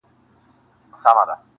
• سر او بر یې ګوره مه بس ټولوه یې ,